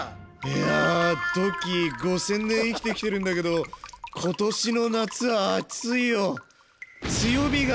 いやドッキー５，０００年生きてきてるんだけど今年の夏は暑いよ！